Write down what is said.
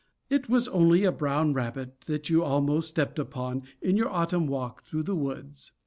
It was only a brown rabbit that you almost stepped upon in your autumn walk through the woods.